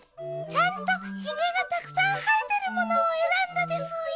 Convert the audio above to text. ちゃんとひげがたくさんはえてるものをえらんだでスーよ。